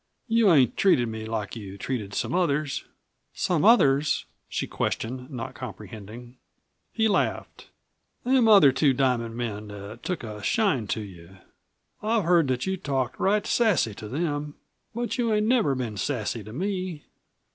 "You ain't treated me like you treated some others." "Some others?" she questioned, not comprehending. He laughed. "Them other Two Diamond men that took a shine to you. I've heard that you talked right sassy to them. But you ain't never been sassy to me.